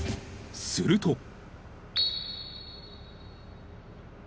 ［すると］